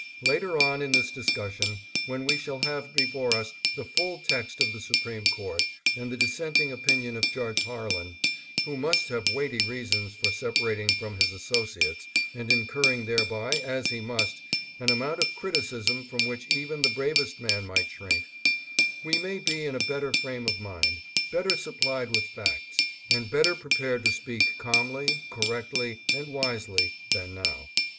Later on in this discussion, when we shall have before us the full text of the Supreme Court and the dissenting opinion of Judge Harlan, who must have weighty reasons for separating from his associates and incurring thereby, as he must, an amount of criticism from which even the bravest man might shrink, we may be in a better frame of mind, better supplied with facts, and better prepared to speak calmly, correctly and wisely than now.